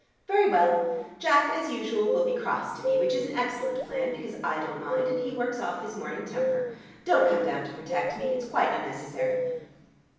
"Very well, Jack, as usual, will be cross to me, which is an excellent plan, because I don't mind, and he works off his morning temper. Don't come down to protect me: it's quite unnecessary."